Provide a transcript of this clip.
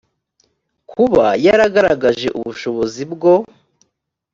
kuba yaragaragaje ubushobozi bwo